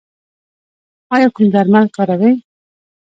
ایا کوم درمل کاروئ؟